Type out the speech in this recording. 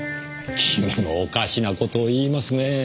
君もおかしな事を言いますねぇ。